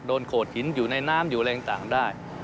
โขดหินอยู่ในน้ำอยู่อะไรต่างได้